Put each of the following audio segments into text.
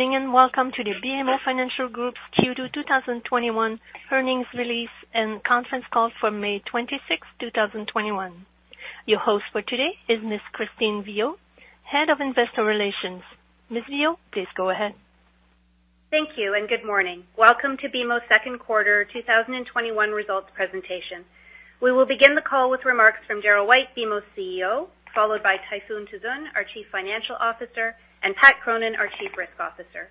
Good morning, and welcome to the BMO Financial Group's Q2 2021 earnings release and conference call for May 26, 2021. Your host for today is Ms. Christine Viau, Head of Investor Relations. Ms. Viau, please go ahead. Thank you, and good morning. Welcome to BMO's Q2 2021 results presentation. We will begin the call with remarks from Darryl White, BMO's CEO, followed by Tayfun Tuzun, our Chief Financial Officer, and Pat Cronin, our Chief Risk Officer.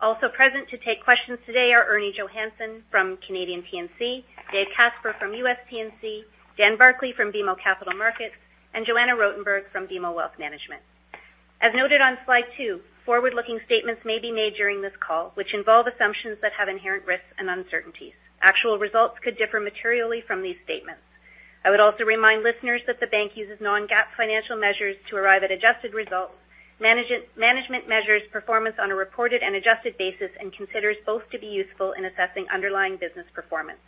Also present to take questions today are Erminia Johannson from Canadian P&C, David Casper from U.S. P&C, Dan Barclay from BMO Capital Markets, and Joanna Rotenberg from BMO Wealth Management. As noted on Slide two, forward-looking statements may be made during this call, which involve assumptions that have inherent risks and uncertainties. Actual results could differ materially from these statements. I would also remind listeners that the bank uses non-GAAP financial measures to arrive at adjusted results. Management measures performance on a reported and adjusted basis and considers both to be useful in assessing underlying business performance.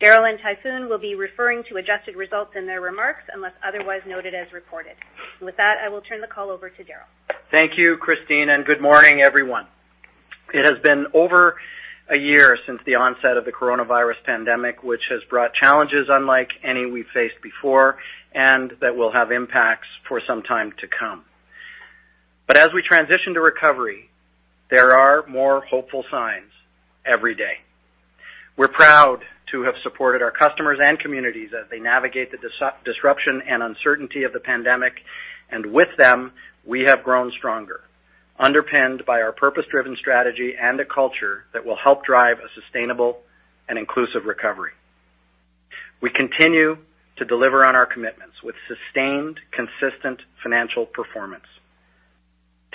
Darryl and Tayfun will be referring to adjusted results in their remarks, unless otherwise noted as reported. With that, I will turn the call over to Darryl. Thank you, Christine, and good morning, everyone. It has been over a year since the onset of the coronavirus pandemic, which has brought challenges unlike any we've faced before, and that will have impacts for some time to come. As we transition to recovery, there are more hopeful signs every day. We're proud to have supported our customers and communities as they navigate the disruption and uncertainty of the pandemic, and with them, we have grown stronger, underpinned by our purpose-driven strategy and a culture that will help drive a sustainable and inclusive recovery. We continue to deliver on our commitments with sustained, consistent financial performance.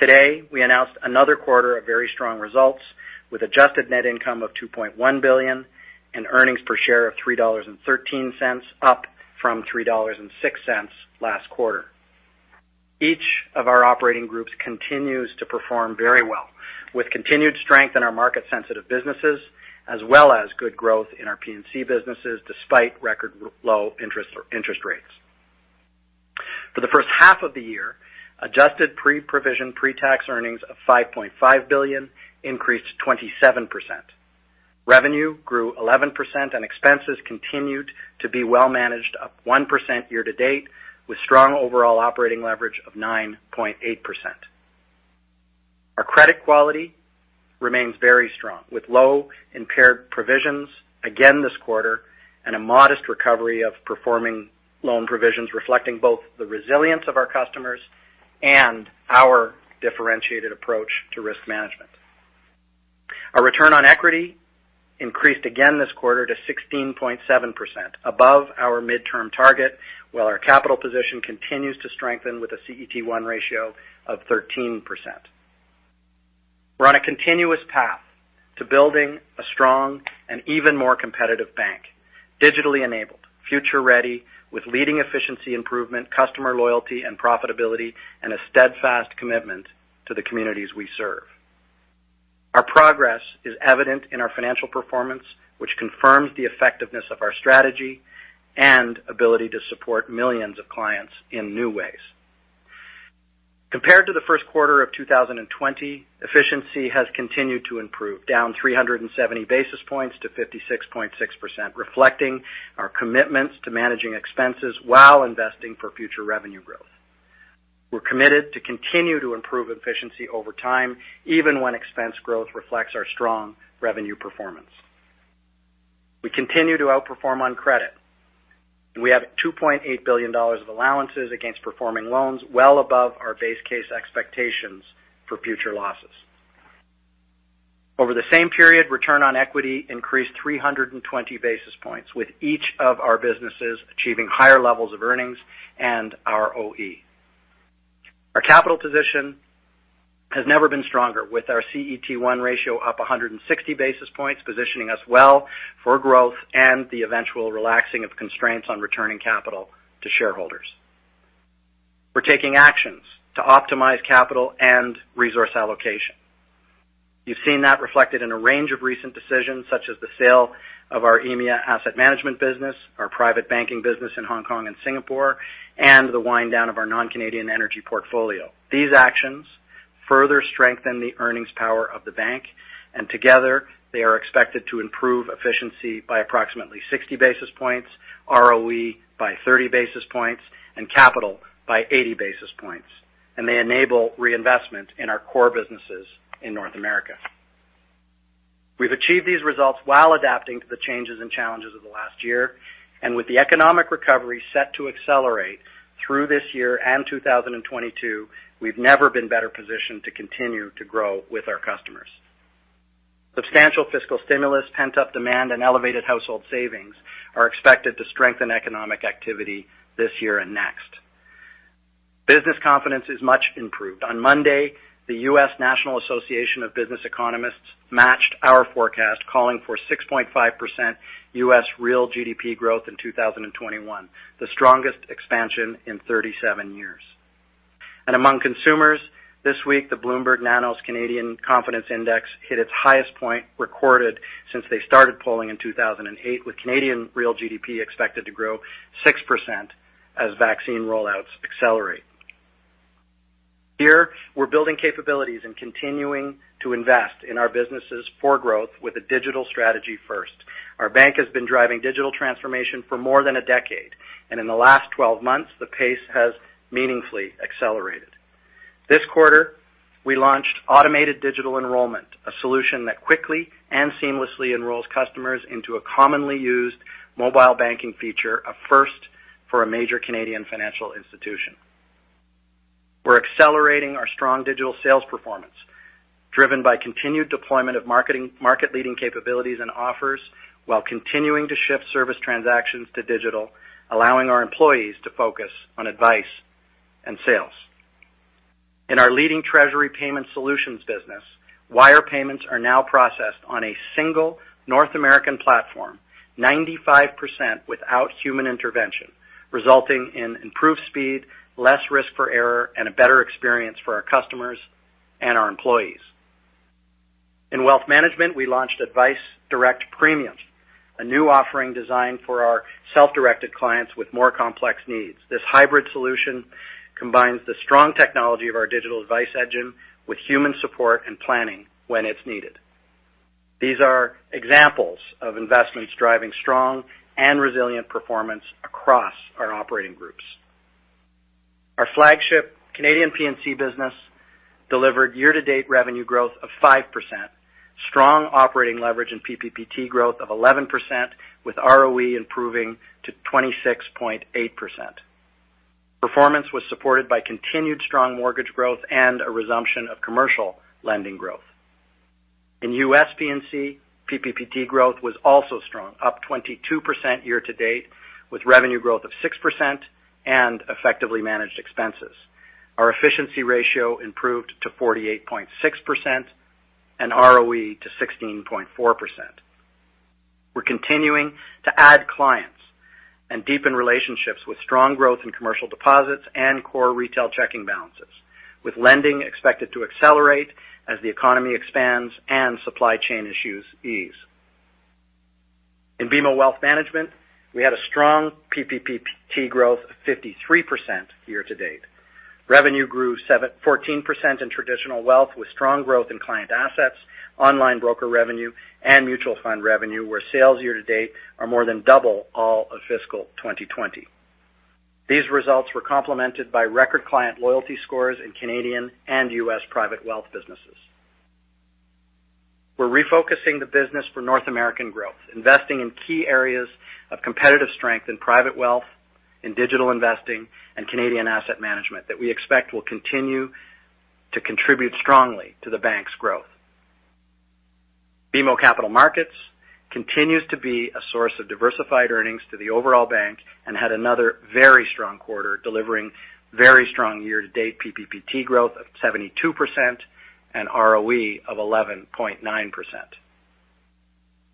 Today, we announced another quarter of very strong results, with adjusted net income of 2.1 billion and earnings per share of 3.13 dollars, up from 3.06 dollars last quarter. Each of our operating groups continues to perform very well, with continued strength in our market-sensitive businesses, as well as good growth in our P&C businesses, despite record low interest rates. For the first half of the year, adjusted pre-provision pre-tax earnings of 5.5 billion increased 27%. Revenue grew 11%, and expenses continued to be well managed, up 1% year to date, with strong overall operating leverage of 9.8%. Our credit quality remains very strong, with low impaired provisions again this quarter, and a modest recovery of performing loan provisions, reflecting both the resilience of our customers and our differentiated approach to risk management. Our return on equity increased again this quarter to 16.7%, above our midterm target, while our capital position continues to strengthen with a CET1 ratio of 13%. We're on a continuous path to building a strong and even more competitive bank, digitally enabled, future-ready, with leading efficiency improvement, customer loyalty and profitability, and a steadfast commitment to the communities we serve. Our progress is evident in our financial performance, which confirms the effectiveness of our strategy and ability to support millions of clients in new ways. Compared to the Q1 of 2020, efficiency has continued to improve, down 370 basis points to 56.6%, reflecting our commitments to managing expenses while investing for future revenue growth. We're committed to continue to improve efficiency over time, even when expense growth reflects our strong revenue performance. We continue to outperform on credit. We have $2.8 billion of allowances against performing loans well above our base case expectations for future losses. Over the same period, return on equity increased 320 basis points, with each of our businesses achieving higher levels of earnings and ROE. Our capital position has never been stronger, with our CET1 ratio up 160 basis points, positioning us well for growth and the eventual relaxing of constraints on returning capital to shareholders. We're taking actions to optimize capital and resource allocation. You've seen that reflected in a range of recent decisions, such as the sale of our EMEA asset management business, our private banking business in Hong Kong and Singapore, and the wind down of our non-Canadian energy portfolio. These actions further strengthen the earnings power of the bank, and together, they are expected to improve efficiency by approximately 60 basis points, ROE by 30 basis points, and capital by 80 basis points, and they enable reinvestment in our core businesses in North America. We've achieved these results while adapting to the changes and challenges of the last year, and with the economic recovery set to accelerate through this year and 2022, we've never been better positioned to continue to grow with our customers. Substantial fiscal stimulus, pent-up demand, and elevated household savings are expected to strengthen economic activity this year and next. Business confidence is much improved. On Monday, the U.S. National Association for Business Economists matched our forecast, calling for 6.5% U.S. real GDP growth in 2021, the strongest expansion in 37 years. Among consumers this week, the Bloomberg Nanos Canadian Confidence Index hit its highest point recorded since they started polling in 2008, with Canadian real GDP expected to grow 6% as vaccine rollouts accelerate. Here, we're building capabilities and continuing to invest in our businesses for growth with a digital strategy first. Our bank has been driving digital transformation for more than a decade, and in the last 12 months, the pace has meaningfully accelerated. This quarter, we launched automated digital enrollment, a solution that quickly and seamlessly enrolls customers into a commonly used mobile banking feature, a first for a major Canadian financial institution. We're accelerating our strong digital sales performance, driven by continued deployment of market-leading capabilities and offers, while continuing to shift service transactions to digital, allowing our employees to focus on advice and sales. In our leading treasury payment solutions business, wire payments are now processed on a single North American platform, 95% without human intervention, resulting in improved speed, less risk for error, and a better experience for our customers and our employees. In Wealth Management, we launched AdviceDirect Premium, a new offering designed for our self-directed clients with more complex needs. This hybrid solution combines the strong technology of our digital advice engine with human support and planning when it's needed. These are examples of investments driving strong and resilient performance across our operating groups. Our flagship Canadian P&C business delivered year-to-date revenue growth of 5%, strong operating leverage and PPPT growth of 11%, with ROE improving to 26.8%. Performance was supported by continued strong mortgage growth and a resumption of commercial lending growth. In U.S. P&C, PPPT growth was also strong, up 22% year to date, with revenue growth of 6% and effectively managed expenses. Our efficiency ratio improved to 48.6% and ROE to 16.4%. We're continuing to add clients and deepen relationships with strong growth in commercial deposits and core retail checking balances, with lending expected to accelerate as the economy expands and supply chain issues ease. In BMO Wealth Management, we had a strong PPPT growth of 53% year to date. Revenue grew 14% in traditional wealth, with strong growth in client assets, online broker revenue, and mutual fund revenue, where sales year to date are more than double all of fiscal 2020. These results were complemented by record client loyalty scores in Canadian and U.S. private wealth businesses. We're refocusing the business for North American growth, investing in key areas of competitive strength in private wealth, in digital investing, and Canadian asset management that we expect will continue to contribute strongly to the bank's growth. BMO Capital Markets continues to be a source of diversified earnings to the overall bank and had another very strong quarter, delivering very strong year-to-date PPPT growth of 72% and ROE of 11.9%.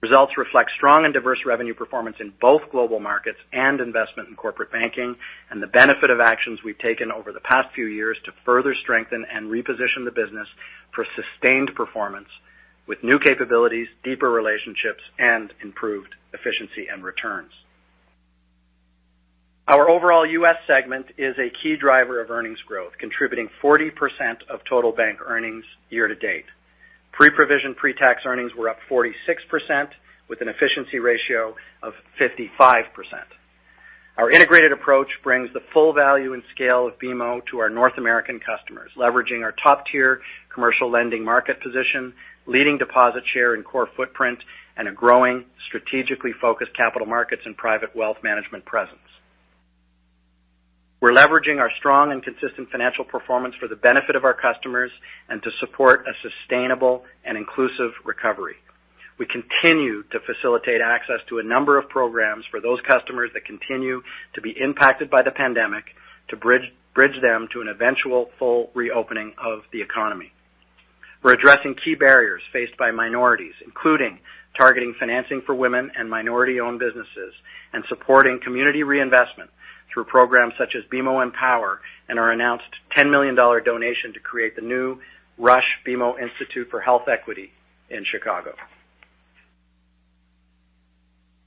Results reflect strong and diverse revenue performance in both global markets and investment in corporate banking, and the benefit of actions we've taken over the past few years to further strengthen and reposition the business for sustained performance with new capabilities, deeper relationships, and improved efficiency and returns. Our overall U.S. segment is a key driver of earnings growth, contributing 40% of total bank earnings year-to-date. Pre-provision pre-tax earnings were up 46%, with an efficiency ratio of 55%. Our integrated approach brings the full value and scale of BMO to our North American customers, leveraging our top-tier commercial lending market position, leading deposit share and core footprint, and a growing, strategically focused capital markets and private wealth management presence. We're leveraging our strong and consistent financial performance for the benefit of our customers and to support a sustainable and inclusive recovery. We continue to facilitate access to a number of programs for those customers that continue to be impacted by the pandemic, to bridge them to an eventual full reopening of the economy. We're addressing key barriers faced by minorities, including targeting financing for women and minority-owned businesses, and supporting community reinvestment through programs such as BMO EMpower and our announced $10 million donation to create the new Rush BMO Institute for Health Equity in Chicago.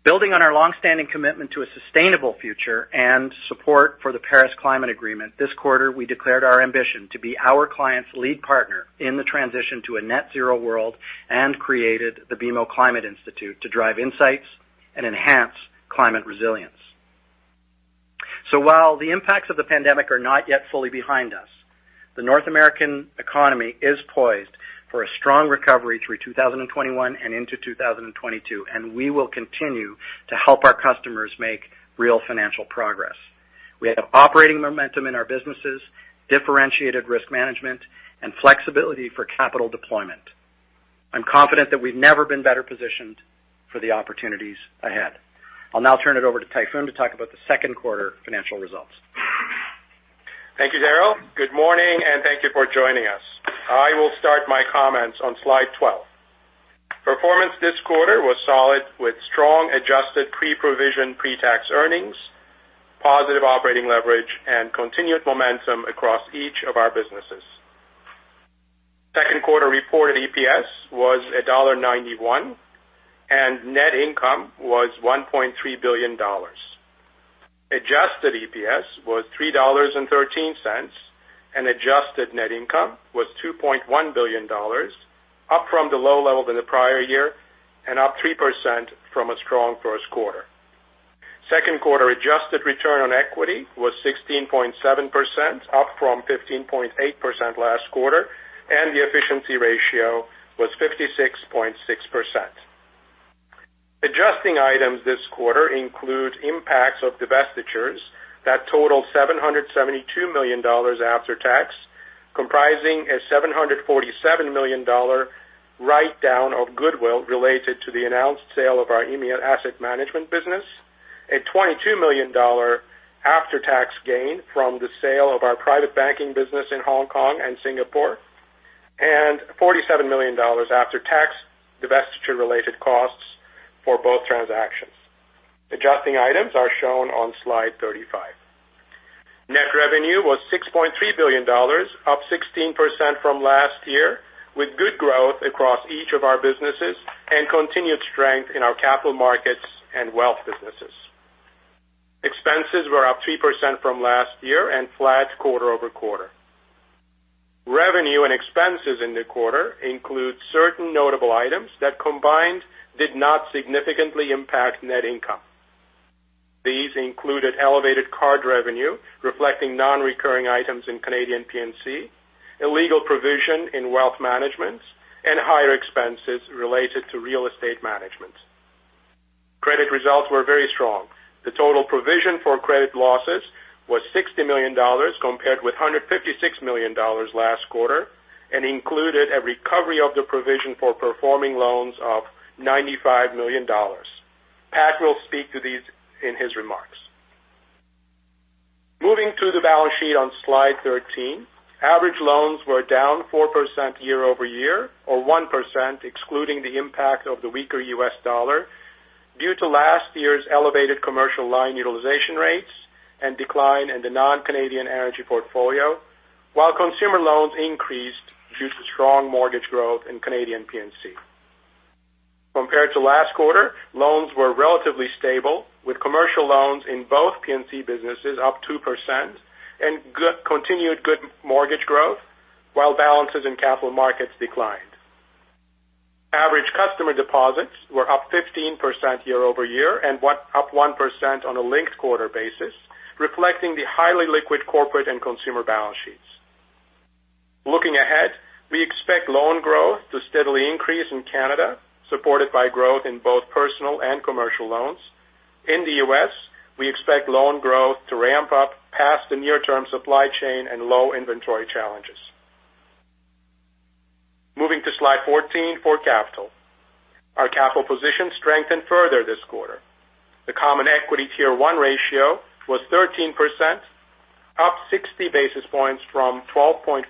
Building on our long-standing commitment to a sustainable future and support for the Paris Agreement, this quarter, we declared our ambition to be our clients' lead partner in the transition to a net zero world and created the BMO Climate Institute to drive insights and enhance climate resilience. While the impacts of the pandemic are not yet fully behind us, the North American economy is poised for a strong recovery through 2021 and into 2022, and we will continue to help our customers make real financial progress. We have operating momentum in our businesses, differentiated risk management, and flexibility for capital deployment. I'm confident that we've never been better positioned for the opportunities ahead. I'll now turn it over to Tayfun to talk about the Q2 financial results. Thank you, Darryl. Good morning, and thank you for joining us. I will start my comments on Slide 12. Performance this quarter was solid, with strong adjusted pre-provision pre-tax earnings, positive operating leverage, and continued momentum across each of our businesses. Q2 reported EPS was $1.91, and net income was $1.3 billion. Adjusted EPS was $3.13, and adjusted net income was $2.1 billion, up from the low level than the prior year and up 3% from a strong Q1. Q2 adjusted return on equity was 16.7%, up from 15.8% last quarter, and the efficiency ratio was 56.6%. Adjusting items this quarter include impacts of divestitures that total 772 million dollars after tax, comprising a 747 million dollar write-down of goodwill related to the announced sale of our EMEA Asset Management business, a 22 million dollar after-tax gain from the sale of our private banking business in Hong Kong and Singapore, and 47 million dollars after-tax divestiture-related costs for both transactions. Adjusting items are shown on Slide 35. Net revenue was 6.3 billion dollars, up 16% from last year, with good growth across each of our businesses and continued strength in our capital markets and wealth businesses. Expenses were up 3% from last year and flat quarter-over-quarter. Revenue and expenses in the quarter include certain notable items that, combined, did not significantly impact net income. These included elevated card revenue, reflecting non-recurring items in Canadian P&C, a legal provision in wealth management, and higher expenses related to real estate management. Credit results were very strong. The total provision for credit losses was 60 million dollars, compared with 156 million dollars last quarter, and included a recovery of the provision for performing loans of 95 million dollars. Pat will speak to these in his remarks. Moving to the balance sheet on Slide 13. Average loans were down 4% year-over-year, or 1%, excluding the impact of the weaker U.S. dollar, due to last year's elevated commercial line utilization rates and decline in the non-Canadian energy portfolio, while consumer loans increased due to strong mortgage growth in Canadian P&C. Compared to last quarter, loans were relatively stable, with commercial loans in both P&C businesses up 2% and continued good mortgage growth, while balances in capital markets declined. Average customer deposits were up 15% year-over-year and went up 1% on a linked quarter basis, reflecting the highly liquid corporate and consumer balance sheets. Looking ahead, we expect loan growth to steadily increase in Canada, supported by growth in both personal and commercial loans. In the U.S., we expect loan growth to ramp up past the near-term supply chain and low inventory challenges. Moving to Slide 14 for capital. Our capital position strengthened further this quarter. The Common Equity Tier 1 ratio was 13%, up 60 basis points from 12.4%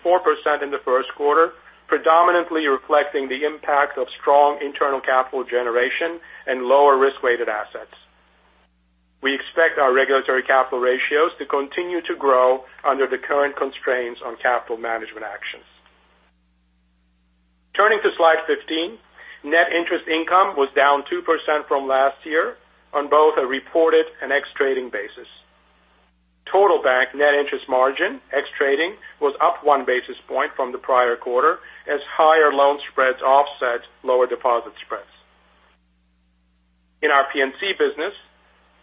in the Q2, predominantly reflecting the impact of strong internal capital generation and lower risk-weighted assets. We expect our regulatory capital ratios to continue to grow under the current constraints on capital management actions. Turning to Slide 15. Net interest income was down 2% from last year on both a reported and ex-trading basis. Total bank net interest margin, ex-trading, was up 1 basis point from the prior quarter as higher loan spreads offset lower deposit spreads. In our P&C business,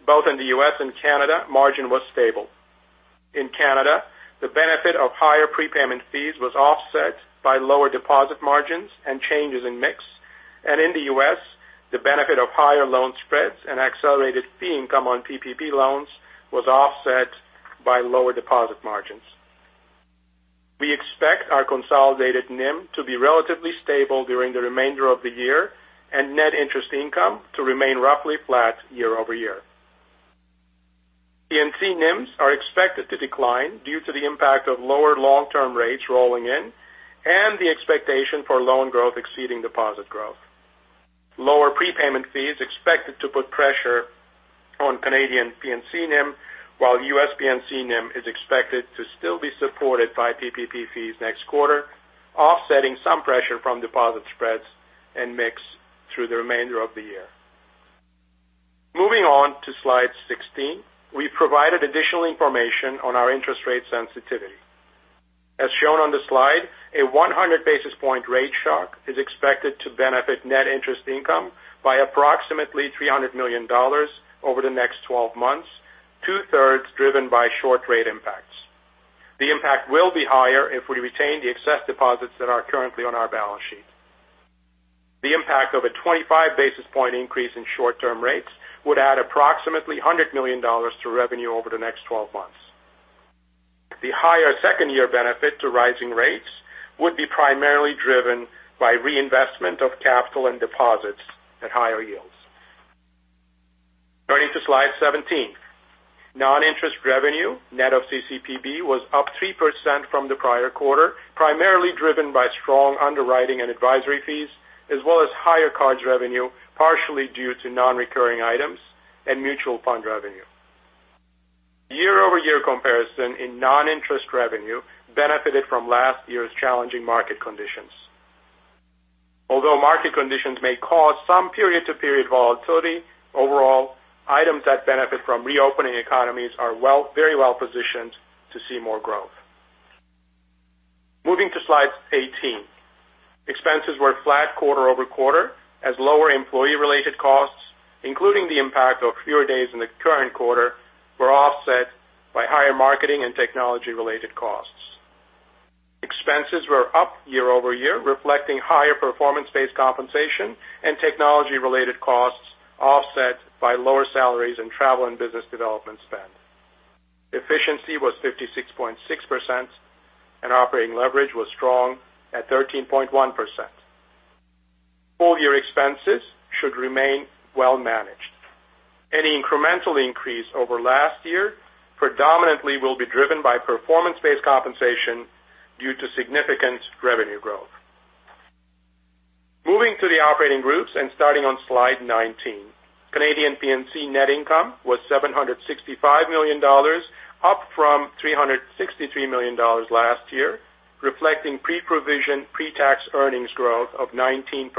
both in the U.S. and Canada, margin was stable. In Canada, the benefit of higher prepayment fees was offset by lower deposit margins and changes in mix, and in the U.S., the benefit of higher loan spreads and accelerated fee income on PPP loans was offset by lower deposit margins. We expect our consolidated NIM to be relatively stable during the remainder of the year and net interest income to remain roughly flat year-over-year. P&C NIMs are expected to decline due to the impact of lower long-term rates rolling in and the expectation for loan growth exceeding deposit growth. Lower prepayment fees expected to put pressure on Canadian P&C NIM, while U.S. P&C NIM is expected to still be supported by PPP fees next quarter, offsetting some pressure from deposit spreads and mix through the remainder of the year. Moving on to Slide 16. We provided additional information on our interest rate sensitivity. As shown on the slide, a 100 basis point rate shock is expected to benefit net interest income by approximately $300 million over the next 12 months, two-thirds driven by short rate impacts. The impact will be higher if we retain the excess deposits that are currently on our balance sheet. The impact of a 25 basis point increase in short-term rates would add approximately $100 million to revenue over the next 12 months. The higher second-year benefit to rising rates would be primarily driven by reinvestment of capital and deposits at higher yields. Turning to Slide 17. Non-interest revenue, net of CCPB, was up 3% from the prior quarter, primarily driven by strong underwriting and advisory fees, as well as higher cards revenue, partially due to non-recurring items and mutual fund revenue. year-over-year comparison in non-interest revenue benefited from last year's challenging market conditions. Although market conditions may cause some period-to-period volatility, overall, items that benefit from reopening economies are very well positioned to see more growth. Moving to Slide 18. Expenses were flat quarter-over-quarter, as lower employee-related costs, including the impact of fewer days in the current quarter, were offset by higher marketing and technology-related costs. Expenses were up year-over-year, reflecting higher performance-based compensation and technology-related costs, offset by lower salaries and travel and business development spend. Efficiency was 56.6%. Operating leverage was strong at 13.1%. Full year expenses should remain well managed. Any incremental increase over last year predominantly will be driven by performance-based compensation due to significant revenue growth. Moving to the operating groups. Starting on Slide 19, Canadian P&C net income was 765 million dollars, up from 363 million dollars last year, reflecting pre-provision pre-tax earnings growth of 19%.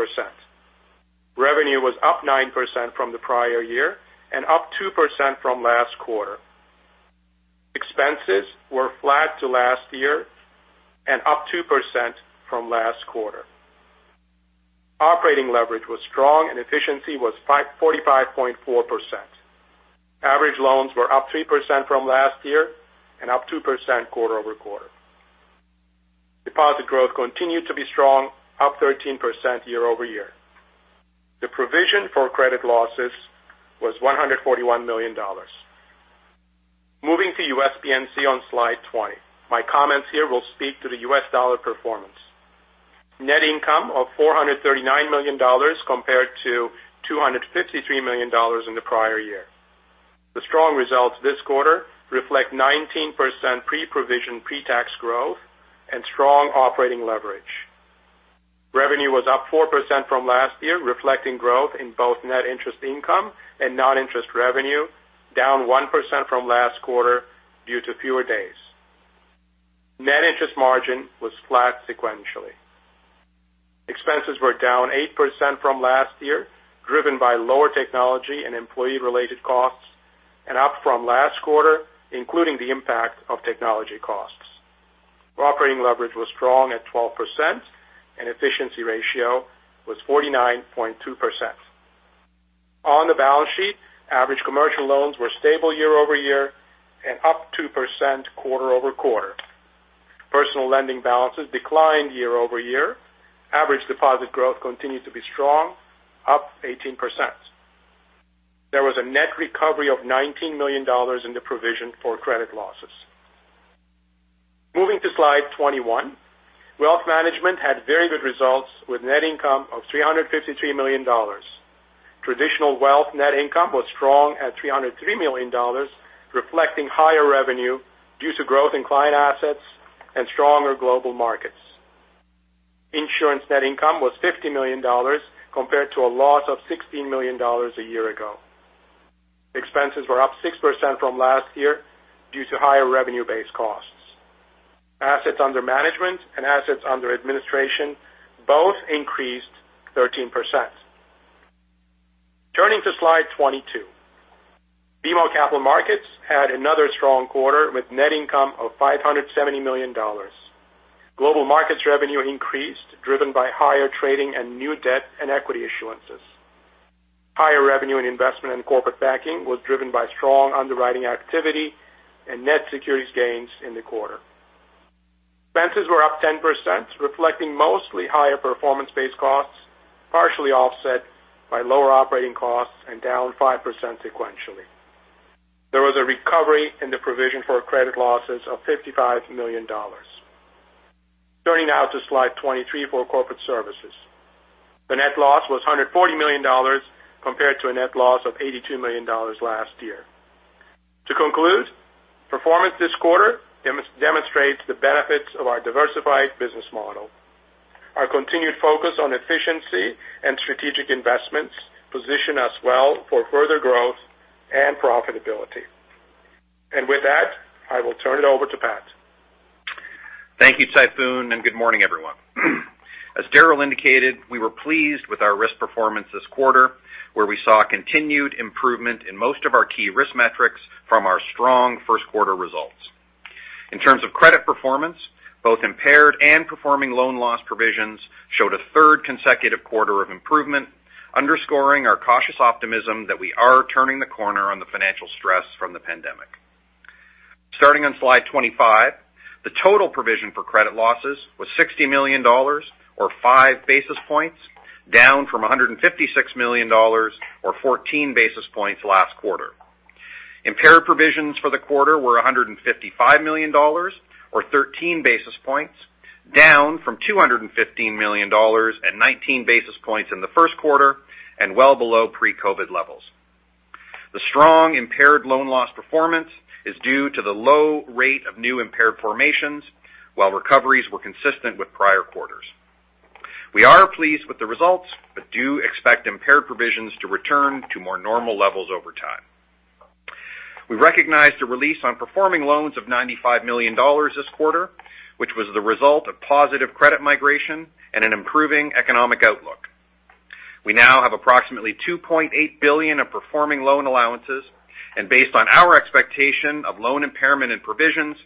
Revenue was up 9% from the prior year. Up 2% from last quarter. Expenses were flat to last year and up 2% from last quarter. Operating leverage was strong and efficiency was 45.4%. Average loans were up 3% from last year and up 2% quarter-over-quarter. Deposit growth continued to be strong, up 13% year-over-year. The provision for credit losses was $141 million. Moving to U.S. P&C on Slide 20. My comments here will speak to the U.S. dollar performance. Net income of $439 million compared to $253 million in the prior year. The strong results this quarter reflect 19% pre-provision, pre-tax growth and strong operating leverage. Revenue was up 4% from last year, reflecting growth in both net interest income and non-interest revenue, down 1% from last quarter due to fewer days. Net interest margin was flat sequentially. Expenses were down 8% from last year, driven by lower technology and employee-related costs, and up from last quarter, including the impact of technology costs. Operating leverage was strong at 12%. Efficiency ratio was 49.2%. On the balance sheet, average commercial loans were stable year-over-year and up 2% quarter-over-quarter. Personal lending balances declined year-over-year. Average deposit growth continued to be strong, up 18%. There was a net recovery of 19 million dollars in the provision for credit losses. Moving to Slide 21. Wealth Management had very good results, with net income of 353 million dollars. Traditional wealth net income was strong at 303 million dollars, reflecting higher revenue due to growth in client assets and stronger global markets. Insurance net income was 50 million dollars, compared to a loss of 16 million dollars a year ago. Expenses were up 6% from last year due to higher revenue-based costs. Assets under management and assets under administration both increased 13%. Turning to Slide 22. BMO Capital Markets had another strong quarter, with net income of 570 million dollars. Global markets revenue increased, driven by higher trading and new debt and equity issuances. Higher revenue and investment in corporate banking was driven by strong underwriting activity and net securities gains in the quarter. Expenses were up 10%, reflecting mostly higher performance-based costs, partially offset by lower operating costs and down 5% sequentially. There was a recovery in the provision for credit losses of 55 million dollars. Turning now to Slide 23 for corporate services. The net loss was $140 million, compared to a net loss of $82 million last year. To conclude, performance this quarter demonstrates the benefits of our diversified business model. Our continued focus on efficiency and strategic investments position us well for further growth and profitability. With that, I will turn it over to Pat. Thank you, Tayfun. Good morning, everyone. As Darryl indicated, we were pleased with our risk performance this quarter, where we saw a continued improvement in most of our key risk metrics from our strong Q1 results. In terms of credit performance, both impaired and performing loan loss provisions showed a third consecutive quarter of improvement, underscoring our cautious optimism that we are turning the corner on the financial stress from the pandemic. Starting on Slide 25, the total provision for credit losses was 60 million dollars, or 5 basis points, down from 156 million dollars or 14 basis points last quarter. Impaired provisions for the quarter were 155 million dollars or 13 basis points, down from 215 million dollars at 19 basis points in the Q1 and well below pre-COVID levels. The strong impaired loan loss performance is due to the low rate of new impaired formations, while recoveries were consistent with prior quarters. We are pleased with the results, but do expect impaired provisions to return to more normal levels over time. We recognized a release on performing loans of 95 million dollars this quarter, which was the result of positive credit migration and an improving economic outlook. We now have approximately 2.8 billion of performing loan allowances, and based on our expectation of loan impairment and provisions,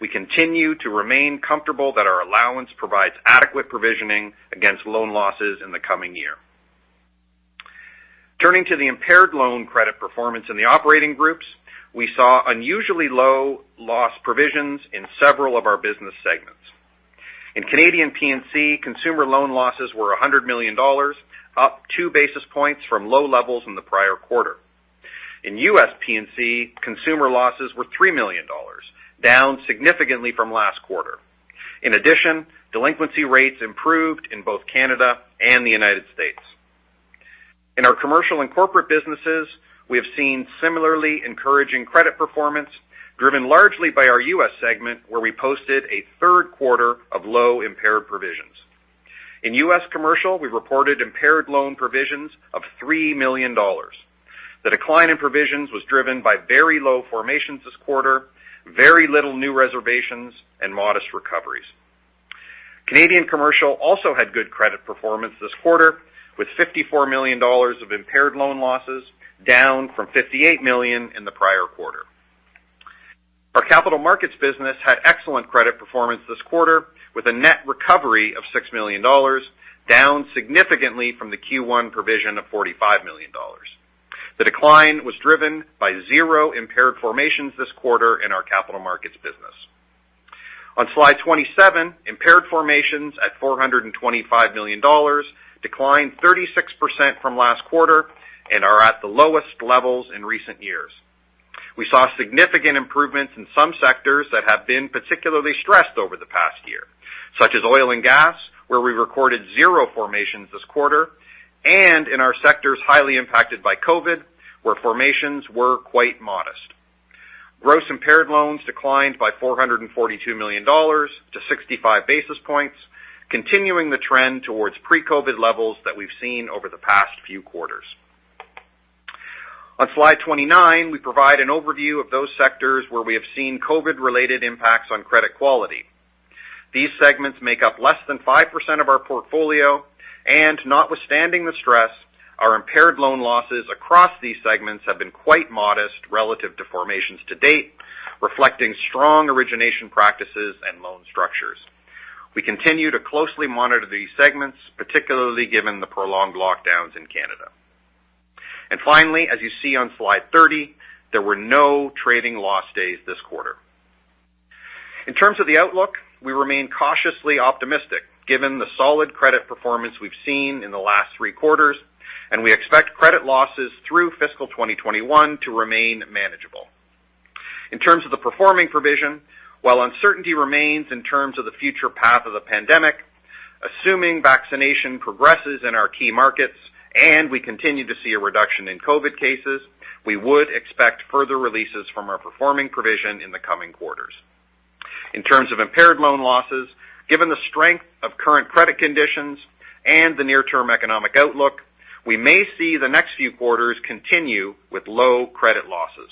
we continue to remain comfortable that our allowance provides adequate provisioning against loan losses in the coming year. Turning to the impaired loan credit performance in the operating groups, we saw unusually low loss provisions in several of our business segments. In Canadian P&C, consumer loan losses were 100 million dollars, up 2 basis points from low levels in the prior quarter. In U.S. P&C, consumer losses were $3 million, down significantly from last quarter. In addition, delinquency rates improved in both Canada and the United States. In our commercial and corporate businesses, we have seen similarly encouraging credit performance, driven largely by our U.S. segment, where we posted a Q3 of low impaired provisions. In U.S. Commercial, we reported impaired loan provisions of $3 million. The decline in provisions was driven by very low formations this quarter, very little new reservations and modest recoveries. Canadian Commercial also had good credit performance this quarter, with 54 million dollars of impaired loan losses, down from 58 million in the prior quarter. Our capital markets business had excellent credit performance this quarter, with a net recovery of $6 million, down significantly from the Q1 provision of $45 million. The decline was driven by zero impaired formations this quarter in our capital markets business. On Slide 27, impaired formations at $425 million, declined 36% from last quarter and are at the lowest levels in recent years. We saw significant improvements in some sectors that have been particularly stressed over the past year, such as oil and gas, where we recorded zero formations this quarter, and in our sectors, highly impacted by COVID, where formations were quite modest. Gross impaired loans declined by $442 million to 65 basis points, continuing the trend towards pre-COVID levels that we've seen over the past few quarters. On Slide 29, we provide an overview of those sectors where we have seen COVID-related impacts on credit quality. These segments make up less than 5% of our portfolio, notwithstanding the stress, our impaired loan losses across these segments have been quite modest relative to formations to date, reflecting strong origination practices and loan structures. We continue to closely monitor these segments, particularly given the prolonged lockdowns in Canada. Finally, as you see on Slide 30, there were no trading loss days this quarter. In terms of the outlook, we remain cautiously optimistic given the solid credit performance we've seen in the last 3 quarters, and we expect credit losses through fiscal 2021 to remain manageable. In terms of the performing provision, while uncertainty remains in terms of the future path of the pandemic, assuming vaccination progresses in our key markets and we continue to see a reduction in COVID cases, we would expect further releases from our performing provision in the coming quarters. In terms of impaired loan losses, given the strength of current credit conditions and the near-term economic outlook, we may see the next few quarters continue with low credit losses.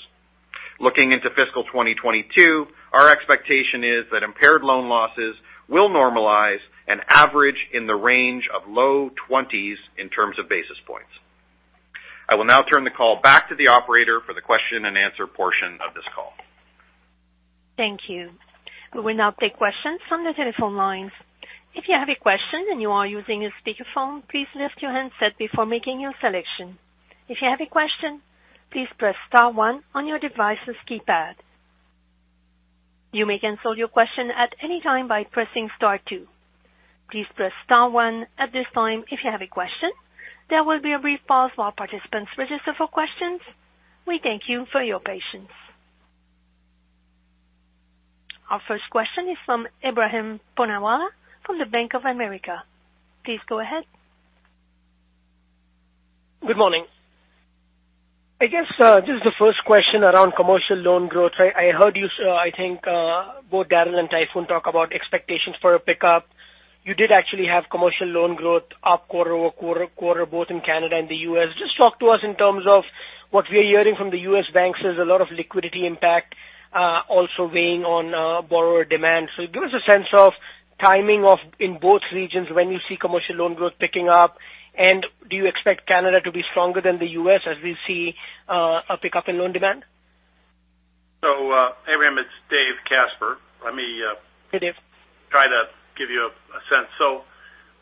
Looking into fiscal 2022, our expectation is that impaired loan losses will normalize and average in the range of low 20s in terms of basis points. I will now turn the call back to the operator for the question and answer portion of this call. Thank you. We will now take questions from the telephone lines. If you have a question and you are using a speakerphone, please lift your handset before making your selection. If you have a question, please press star one on your device's keypad. You may cancel your question at any time by pressing star two. Please press star one at this time if you have a question. There will be a brief pause while participants register for questions. We thank you for your patience. Our first question is from Ebrahim Poonawala from the Bank of America. Please go ahead. Good morning. I guess, just the first question around commercial loan growth. I heard you say, I think, both Darryl and Tayfun talk about expectations for a pickup. You did actually have commercial loan growth up quarter over quarter, both in Canada and the U.S. Just talk to us in terms of what we are hearing from the U.S. banks, there's a lot of liquidity impact, also weighing on borrower demand. Give us a sense of timing of in both regions when you see commercial loan growth picking up, and do you expect Canada to be stronger than the U.S. as we see a pickup in loan demand? Ebrahim, it's David Casper. Let me. Hey, Dave. Try to give you a sense.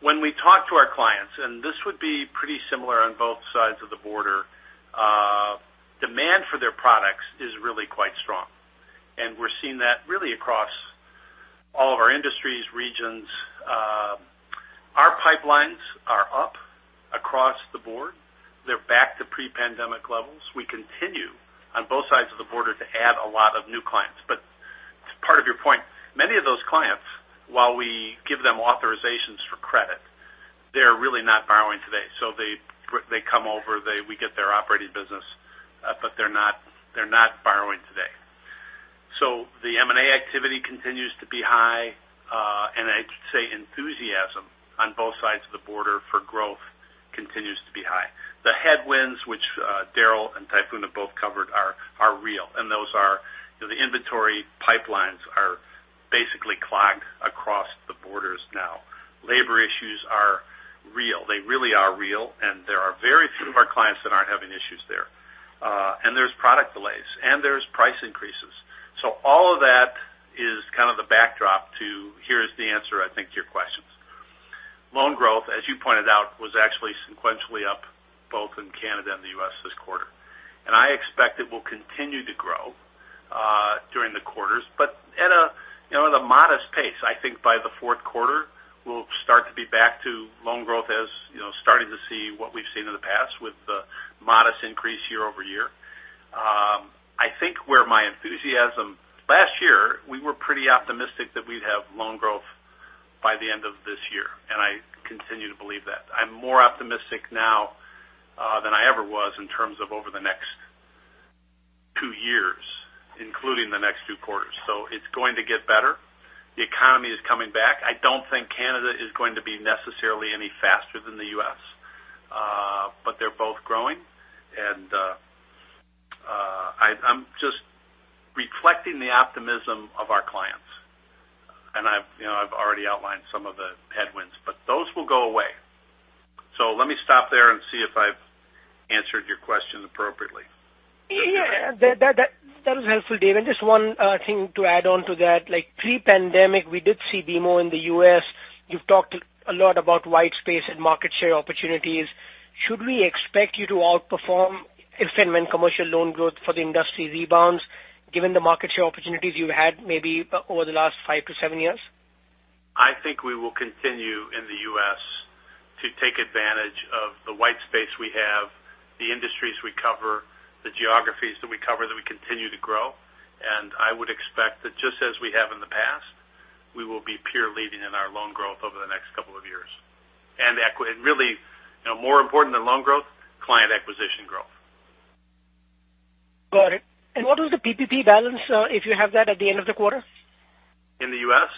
When we talk to our clients, and this would be pretty similar on both sides of the border, demand for their products is really quite strong, and we're seeing that really across all of our industries, regions. Our pipelines are up across the board. They're back to pre-pandemic levels. We continue on both sides of the border to add a lot of new clients. To part of your point, many of those clients, while we give them authorizations for credit, they're really not borrowing today. They come over, we get their operating business, but they're not borrowing. Continues to be high, I'd say enthusiasm on both sides of the border for growth continues to be high. The headwinds, which Darryl and Tayfun have both covered are real, and those are, you know, the inventory pipelines are basically clogged across the borders now. Labor issues are real. They really are real. There are very few of our clients that aren't having issues there. There's product delays, and there's price increases. All of that is kind of the backdrop to, here's the answer, I think, to your questions. Loan growth, as you pointed out, was actually sequentially up both in Canada and the U.S. this quarter, and I expect it will continue to grow during the quarters, but at a, you know, at a modest pace. I think by the Q4, we'll start to be back to loan growth, as, you know, starting to see what we've seen in the past with the modest increase year-over-year. I think last year, we were pretty optimistic that we'd have loan growth by the end of this year, and I continue to believe that. I'm more optimistic now than I ever was in terms of over the next 2 years, including the next 2 quarters. It's going to get better. The economy is coming back. I don't think Canada is going to be necessarily any faster than the U.S., but they're both growing, and I'm just reflecting the optimism of our clients, and I've, you know, I've already outlined some of the headwinds, but those will go away. Let me stop there and see if I've answered your question appropriately. That is helpful, Dave, and just one thing to add on to that, like pre-pandemic, we did see BMO in the U.S. You've talked a lot about white space and market share opportunities. Should we expect you to outperform if and when commercial loan growth for the industry rebounds, given the market share opportunities you've had maybe over the last five to seven years? I think we will continue in the U.S. to take advantage of the white space we have, the industries we cover, the geographies that we cover, that we continue to grow. I would expect that just as we have in the past, we will be peer leading in our loan growth over the next couple of years. really, you know, more important than loan growth, client acquisition growth. Got it. What was the PPP balance, if you have that at the end of the quarter? In the U.S.?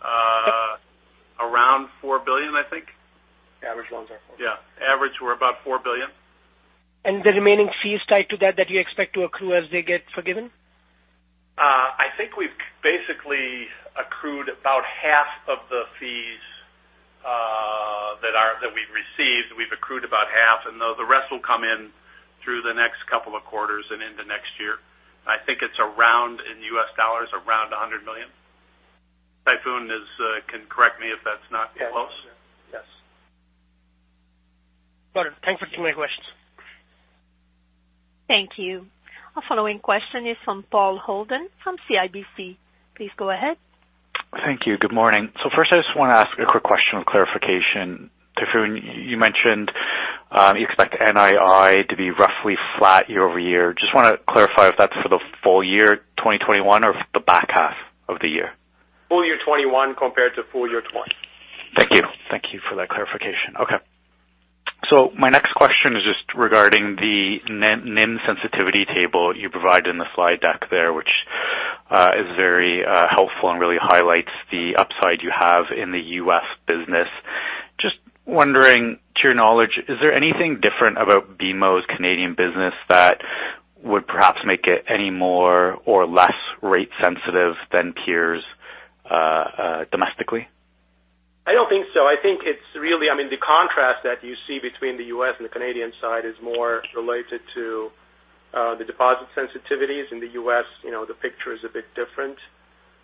Yes. Around 4 billion, I think. Average loans are four. Yeah, average, we're about 4 billion. The remaining fees tied to that you expect to accrue as they get forgiven? I think we've basically accrued about half of the fees, that we've received. We've accrued about half, and the rest will come in through the next couple of quarters and into next year. I think it's around, in U.S. Dollars, around $100 million. Tayfun is, can correct me if that's not close. Yes. Got it. Thank you for taking my questions. Thank you. Our following question is from Paul Holden, from CIBC. Please go ahead. Thank you. Good morning. First, I just want to ask a quick question of clarification. Tayfun, you mentioned, you expect NII to be roughly flat year-over-year. Just want to clarify if that's for the full year, 2021 or the back half of the year? Full year 2021 compared to full year 2020. Thank you. Thank you for that clarification. Okay. My next question is just regarding the NIM sensitivity table you provided in the slide deck there, which is very helpful and really highlights the upside you have in the U.S. business. Just wondering, to your knowledge, is there anything different about BMO's Canadian business that would perhaps make it any more or less rate sensitive than peers domestically? I don't think so. I think it's really. I mean, the contrast that you see between the U.S. and the Canadian side is more related to the deposit sensitivities. In the U.S., you know, the picture is a bit different.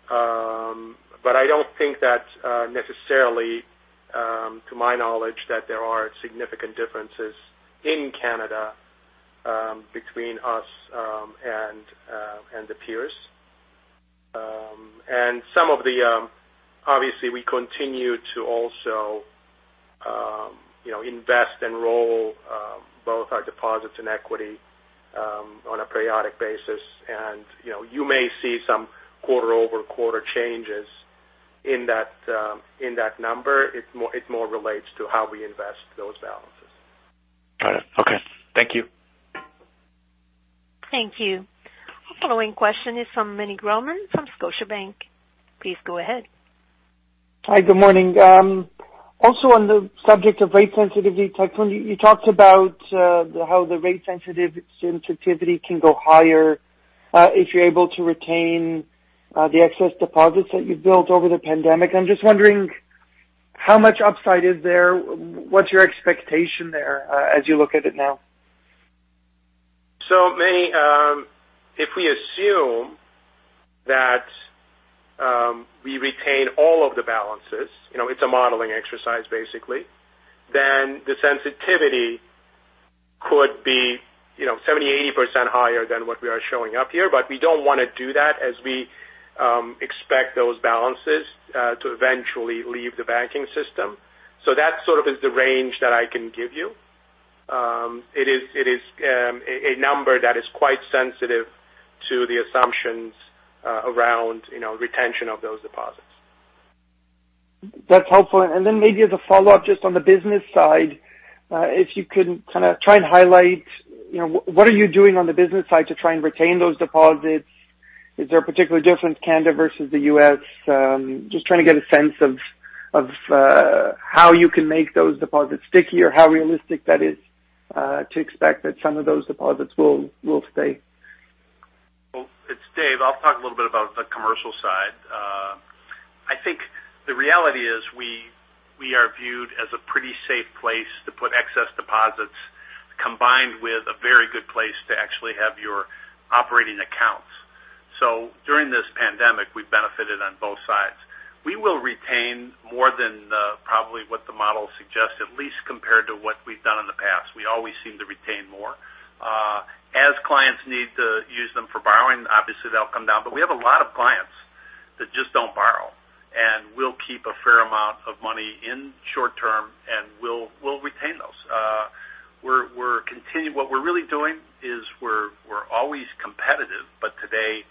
But I don't think that necessarily to my knowledge, that there are significant differences in Canada, between us, and the peers. Some of the, obviously, we continue to also, you know, invest and roll both our deposits and equity on a periodic basis. You know, you may see some quarter-over-quarter changes in that, in that number. It more relates to how we invest those balances. Got it. Okay. Thank you. Thank you. Our following question is from Meny Grauman, from Scotiabank. Please go ahead. Hi, good morning. On the subject of rate sensitivity, Tayfun, you talked about how the rate sensitivity can go higher, if you're able to retain, the excess deposits that you've built over the pandemic. I'm just wondering how much upside is there? What's your expectation there, as you look at it now? Meny, if we assume that we retain all of the balances, you know, it's a modeling exercise, basically, then the sensitivity could be, you know, 70%, 80% higher than what we are showing up here. We don't want to do that, as we expect those balances to eventually leave the banking system. That sort of is the range that I can give you. It is a number that is quite sensitive to the assumptions around, you know, retention of those deposits. That's helpful. Then maybe as a follow-up, just on the business side, if you could kind of try and highlight, you know, what are you doing on the business side to try and retain those deposits? Is there a particular difference, Canada versus the U.S.? Just trying to get a sense of how you can make those deposits stickier, how realistic that is to expect that some of those deposits will stay. Well, it's Dave. I'll talk a little bit about the commercial side. I think the reality is we are viewed as a pretty safe place to put excess deposits, combined with a very good place to actually have your operating accounts. During this pandemic, we've benefited on both sides. We will retain more than probably what the model suggests, at least compared to what we've done in the past. We always seem to retain more. As clients need to use them for borrowing, obviously, they'll come down, but we have a lot of clients that just don't borrow, and we'll keep a fair amount of money in short term, and we'll retain those. What we're really doing is we're always competitive, but today,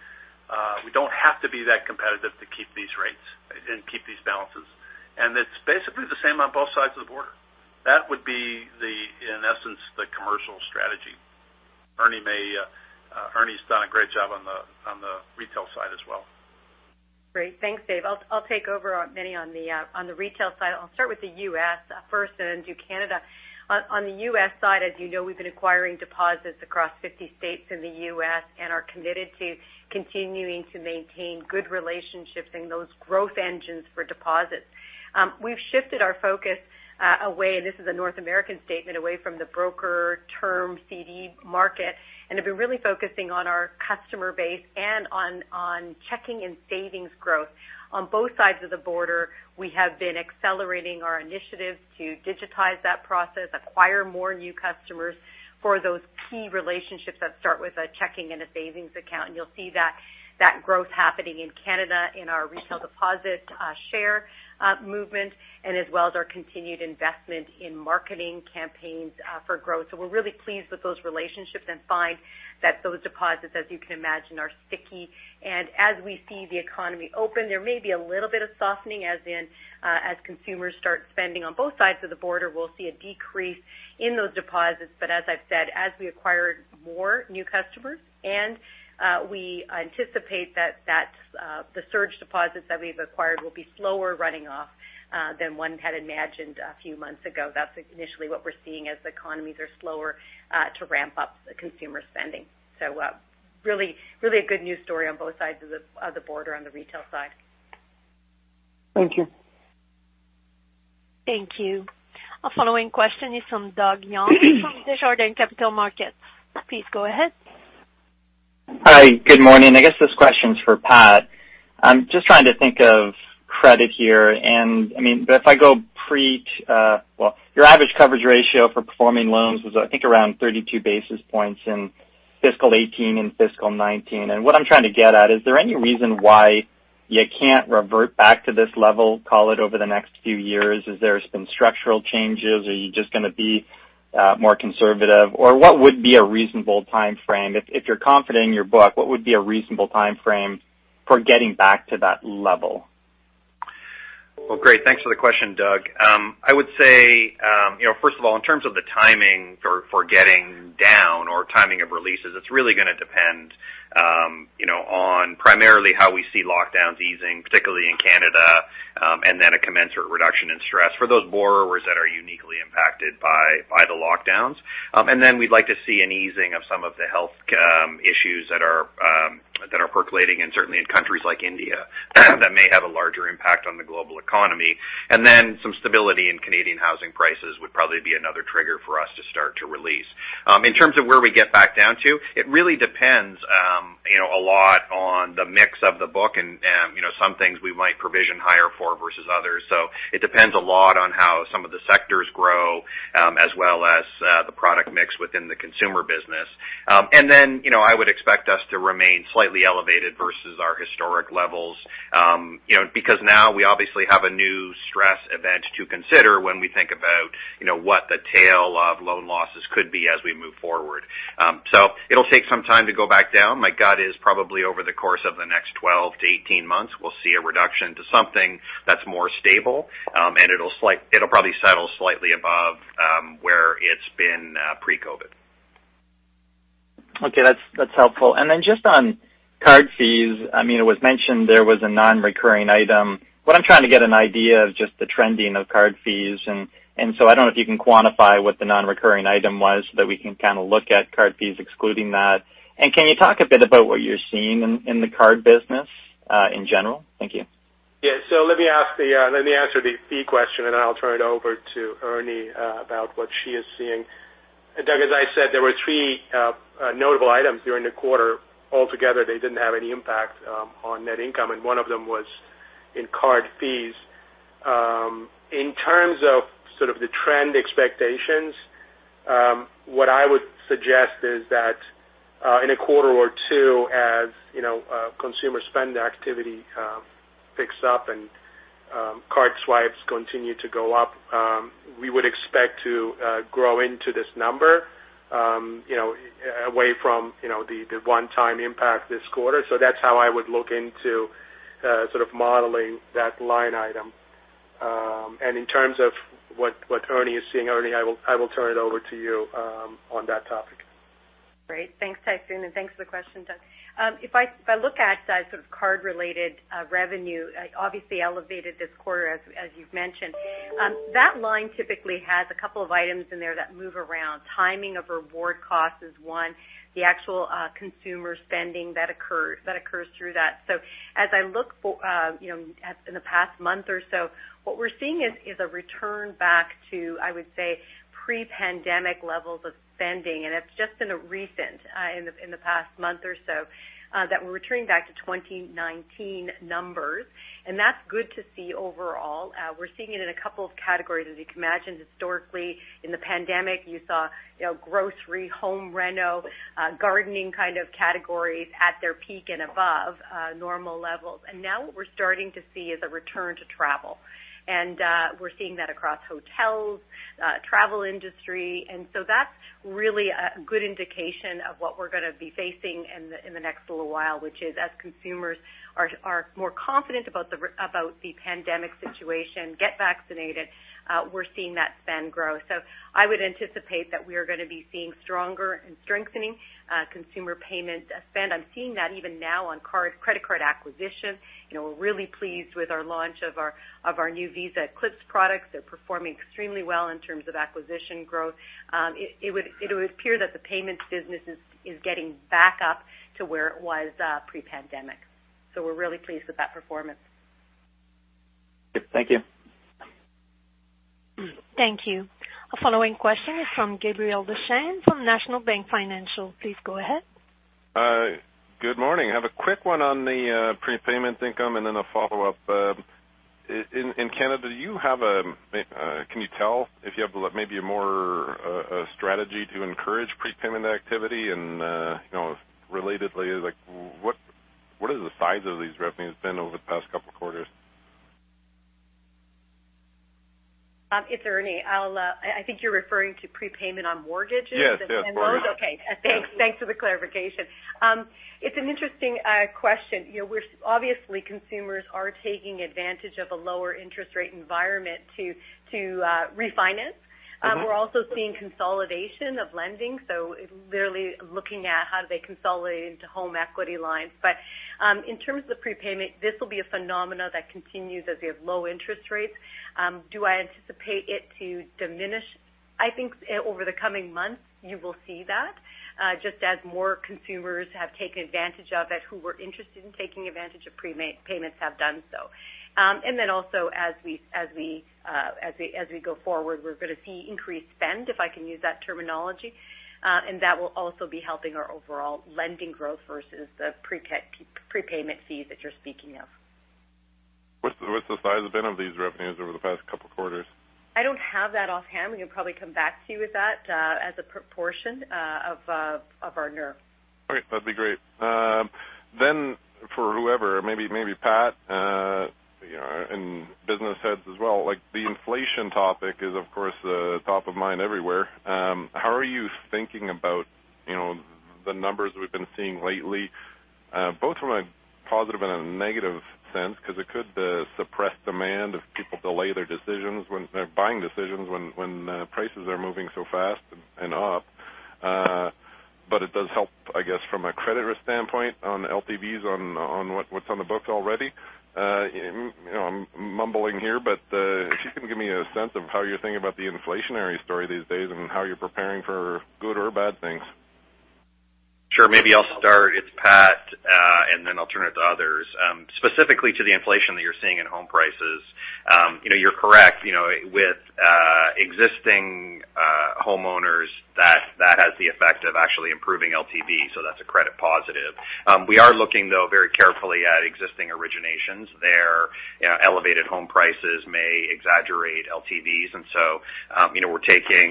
we don't have to be that competitive to keep these rates and keep these balances. It's basically the same on both sides of the border. That would be the, in essence, the commercial strategy. Erminia's done a great job on the, on the retail side as well. Great. Thanks, Dave. I'll take over on, many on the retail side. I'll start with the U.S. first then do Canada. On the U.S. side, as you know, we've been acquiring deposits across 50 states in the U.S. and are committed to continuing to maintain good relationships in those growth engines for deposits. We've shifted our focus away, and this is a North American statement, away from the broker term CD market, and have been really focusing on our customer base and on checking and savings growth. On both sides of the border, we have been accelerating our initiatives to digitize that process, acquire more new customers for those key relationships that start with a checking and a savings account. You'll see that growth happening in Canada in our retail deposit share movement, and as well as our continued investment in marketing campaigns for growth. We're really pleased with those relationships and find that those deposits, as you can imagine, are sticky. As we see the economy open, there may be a little bit of softening, as consumers start spending on both sides of the border, we'll see a decrease in those deposits. As I've said, as we acquire more new customers, and we anticipate that the surge deposits that we've acquired will be slower running off than one had imagined a few months ago. That's initially what we're seeing as the economies are slower to ramp up the consumer spending. Really, really a good news story on both sides of the, of the border on the retail side. Thank you. Thank you. Our following question is from Doug Young from Desjardins Capital Markets. Please go ahead. Hi, good morning. I guess this question is for Pat. I'm just trying to think of credit here, and I mean, but if I go pre, well, your average coverage ratio for performing loans was, I think, around 32 basis points in fiscal 18 and fiscal 19. What I'm trying to get at, is there any reason why you can't revert back to this level, call it over the next few years? Is there some structural changes? Are you just going to be more conservative? Or what would be a reasonable timeframe? If you're confident in your book, what would be a reasonable timeframe for getting back to that level? Well, great. Thanks for the question, Doug. I would say, you know, first of all, in terms of the timing for getting down or timing of releases, it's really going to depend, you know, on primarily how we see lockdowns easing, particularly in Canada. A commensurate reduction in stress for those borrowers that are uniquely impacted by the lockdowns. We'd like to see an easing of some of the health issues that are percolating, and certainly in countries like India, that may have a larger impact on the global economy. Some stability in Canadian housing prices would probably be another trigger for us to start to release. In terms of where we get back down to, it really depends, you know, a lot on the mix of the book and, you know, some things we might provision higher for versus others. It depends a lot on how some of the sectors grow, as well as the product mix within the consumer business. Then, you know, I would expect us to remain slightly elevated versus our historic levels, you know, because now we obviously have a new stress event to consider when we think about, you know, what the tail of loan losses could be as we move forward. It'll take some time to go back down. My gut is probably over the course of the next 12 to 18 months, we'll see a reduction to something that's more stable, and it'll probably settle slightly above, where it's been, pre-COVID. Okay, that's helpful. Just on card fees, I mean, it was mentioned there was a non-recurring item. What I'm trying to get an idea of just the trending of card fees, so I don't know if you can quantify what the non-recurring item was, so that we can kind of look at card fees excluding that. Can you talk a bit about what you're seeing in the card business, in general? Thank you. Yeah. Let me ask the, let me answer the fee question, and then I'll turn it over to Erminia about what she is seeing. Doug, as I said, there were three notable items during the quarter. Altogether, they didn't have any impact on net income, and one of them was in card fees. In terms of sort of the trend expectations, what I would suggest is that in a quarter or two, as, you know, consumer spend activity picks up and card swipes continue to go up, we would expect to grow into this number. You know, away from, you know, the one-time impact this quarter. That's how I would look into sort of modeling that line item. In terms of what Erminia is seeing, Erminia, I will turn it over to you on that topic. Great. Thanks, Tayfun, and thanks for the question, Doug. If I look at sort of card-related revenue, obviously elevated this quarter, as you've mentioned, that line typically has a couple of items in there that move around. Timing of reward costs is one, the actual consumer spending that occurs through that. As I look for, you know, in the past month or so, what we're seeing is a return back to, I would say, pre-pandemic levels of spending. It's just in a recent in the past month or so that we're returning back to 2019 numbers. That's good to see overall. We're seeing it in a couple of categories. As you can imagine, historically, in the pandemic, you saw, you know, grocery, home reno, gardening kind of categories at their peak and above normal levels. Now what we're starting to see is a return to travel. We're seeing that across hotels, travel industry. That's really a good indication of what we're going to be facing in the next little while, which is as consumers are more confident about the pandemic situation, get vaccinated, we're seeing that spend grow. I would anticipate that we are going to be seeing stronger and strengthening consumer payment spend. I'm seeing that even now on credit card acquisition. You know, we're really pleased with our launch of our new Visa Eclipse products. They're performing extremely well in terms of acquisition growth. It would appear that the payments business is getting back up to where it was pre-pandemic. We're really pleased with that performance. Thank you. Thank you. Our following question is from Gabriel Dechaine from National Bank Financial. Please go ahead. Good morning. I have a quick one on the prepayment income and then a follow-up. In Canada, do you have a, can you tell if you have maybe a more, a strategy to encourage prepayment activity? You know, relatedly, like, what is the size of these revenues been over the past couple of quarters? It's Erminia. I'll, I think you're referring to prepayment on mortgages? Yes, yes, mortgages. Okay. Thanks. Thanks for the clarification. It's an interesting question. You know, obviously, consumers are taking advantage of a lower interest rate environment to refinance. Mm-hmm. We're also seeing consolidation of lending, literally looking at how do they consolidate into home equity lines. In terms of the prepayment, this will be a phenomena that continues as we have low interest rates. Do I anticipate it to diminish? I think over the coming months, you will see that, just as more consumers have taken advantage of it, who were interested in taking advantage of prepayments have done so. Also, as we go forward, we're going to see increased spend, if I can use that terminology, and that will also be helping our overall lending growth versus the prepayment fees that you're speaking of. What's the size been of these revenues over the past couple of quarters? I don't have that offhand. We can probably come back to you with that, as a proportion, of our NR. Okay, that'd be great. For whoever, maybe Pat, you know, and business heads as well, like, the inflation topic is, of course, top of mind everywhere. How are you thinking about, you know, the numbers we've been seeing lately, both from a positive and a negative sense, because it could suppress demand if people delay their buying decisions, when prices are moving so fast and up? It does help, I guess, from a credit risk standpoint on LTVs, on what's on the books already. You know, I'm mumbling here, but if you can give me a sense of how you're thinking about the inflationary story these days and how you're preparing for good or bad things? Sure. Maybe I'll start. It's Pat, then I'll turn it to others. Specifically to the inflation that you're seeing in home prices, you know, you're correct, you know, with existing homeowners, that has the effect of actually improving LTV, so that's a credit positive. We are looking, though, very carefully at existing originations. Their, you know, elevated home prices may exaggerate LTVs, and so, you know,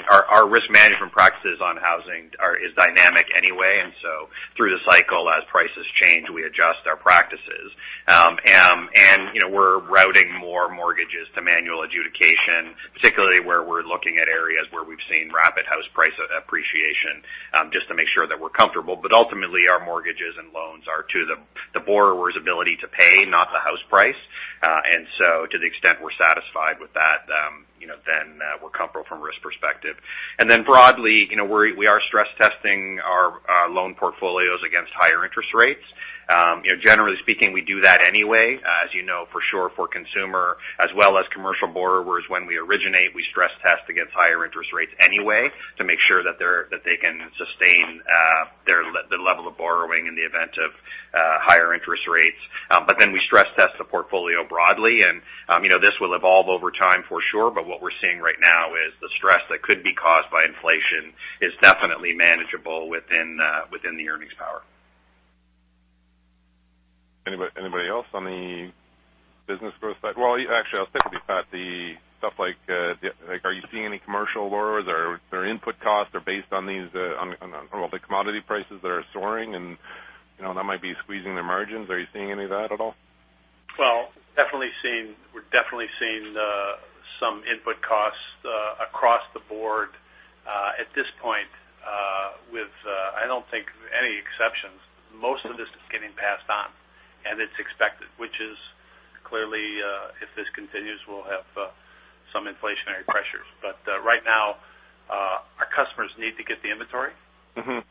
our risk management practices on housing is dynamic anyway, and so through the cycle, as prices change, we adjust our practices. You know, we're routing more mortgages to manual adjudication, particularly where we're looking at areas where we've seen rapid house price appreciation, just to make sure that we're comfortable. Ultimately, our mortgages and loans are to the borrower's ability to pay, not the house price. To the extent we're satisfied with that, you know, then we're comfortable from a risk perspective. Broadly, you know, we are stress testing our loan portfolios against higher interest rates. You know, generally speaking, we do that anyway. As you know, for sure, for consumer as well as commercial borrowers, when we originate, we stress test against higher interest rates anyway to make sure that they can sustain the level of borrowing in the event of higher interest rates. We stress test the portfolio broadly, and, you know, this will evolve over time for sure, but what we're seeing right now is the stress that could be caused by inflation is definitely manageable within the earnings power. Anybody else on the business growth side? Well, actually, I'll stick with you, Pat. The stuff like, are you seeing any commercial borrowers or their input costs are based on these, on all the commodity prices that are soaring and, you know, that might be squeezing their margins, are you seeing any of that at all? Well, we're definitely seeing some input costs across the board at this point, with, I don't think any exceptions. Most of this is getting passed on, and it's expected, which is clearly, if this continues, we'll have some inflationary pressures. Right now, our customers need to get the inventory. Mm-hmm.